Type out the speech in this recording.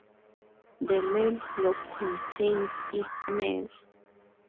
The main block contains its nave.